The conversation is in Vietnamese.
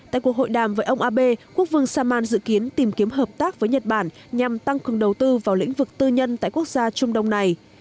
tại cuộc hội đàm với ông abe quốc vương salman dự kiến tìm kiếm hợp tác với nhật bản nhằm tăng cường đầu tư vào lĩnh vực tư nhân tại quốc gia trung đông này